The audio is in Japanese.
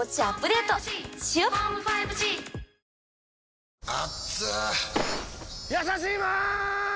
「ビオレ」やさしいマーン！！